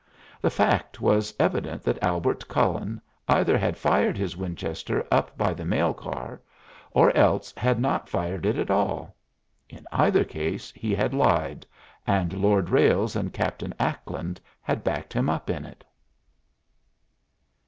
The fact was evident that Albert Cullen either had fired his Winchester up by the mail car, or else had not fired it at all. In either case he had lied, and Lord Ralles and Captain Ackland had backed him up in it.